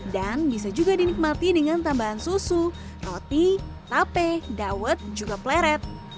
dan bisa juga dinikmati dengan tambahan susu roti tape dawet juga pleret